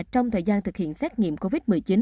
trong thời gian thực hiện xét nghiệm covid một mươi chín